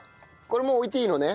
これもう置いていいのね？